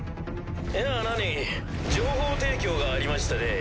いやなに情報提供がありましてね。